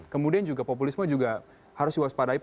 kemudian populisme juga harus waspadai